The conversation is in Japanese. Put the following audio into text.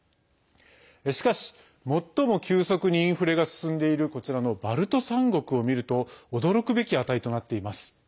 しかし最も急速にインフレが進んでいるこちらのバルト３国を見ると驚くべき値となっています。